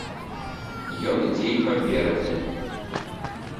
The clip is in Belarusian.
Ён ідзе і паперадзе.